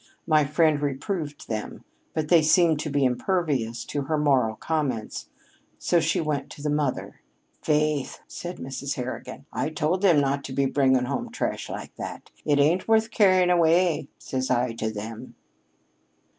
My friend reproved them, but they seemed to be impervious to her moral comments, so she went to the mother. 'Faith,' said Mrs. Harrigan, 'I tould them not to be bringing home trash like that. "It ain't worth carryin' away," says I to them.'"